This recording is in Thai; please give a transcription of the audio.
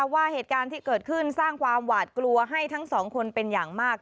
ว่าเหตุการณ์ที่เกิดขึ้นสร้างความหวาดกลัวให้ทั้งสองคนเป็นอย่างมาก